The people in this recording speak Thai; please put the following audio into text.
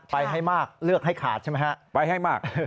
ไปให้มากเลือกให้ขาดใช่ไหมฮะ